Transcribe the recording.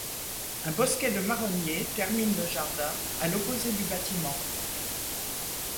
Un bosquet de marronniers termine le jardin, à l'opposé du bâtiment.